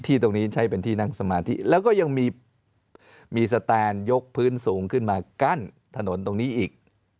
ตรงนี้ใช้เป็นที่นั่งสมาธิแล้วก็ยังมีสแตนยกพื้นสูงขึ้นมากั้นถนนตรงนี้อีก